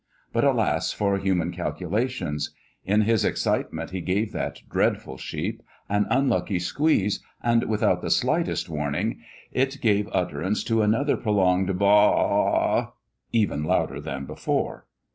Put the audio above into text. But alas for human calculations! In his excitement he gave that dreadful sheep an unlucky squeeze, and without the slightest warning it gave utterance to another prolonged baa a a! even louder than before.